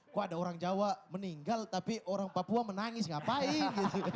kok ada orang jawa meninggal tapi orang papua menangis ngapain